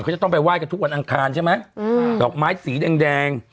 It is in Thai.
เขาจะต้องไปไห้กันทุกวันอังคารใช่ไหมอืมดอกไม้สีแดง